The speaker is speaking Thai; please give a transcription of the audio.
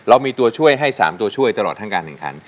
เรามีตัวช่วยให้๓ตัวช่วยตลอดทั้งการแข่งขัน